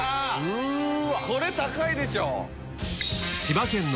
これ高いでしょ！